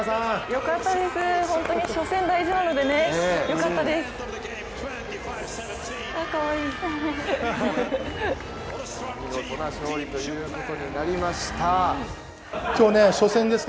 よかったです、本当に初戦大事なのでよかったです。